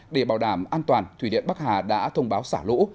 để bảo đảm an toàn thủy điện bắc hà đã thông báo xả lũ